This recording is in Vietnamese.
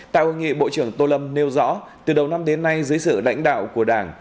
tại hội nghị bộ trưởng tô lâm nêu rõ từ đầu năm đến nay dưới sự lãnh đạo của đảng